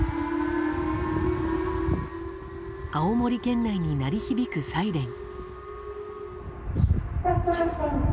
青森県内に鳴り響くサイレン。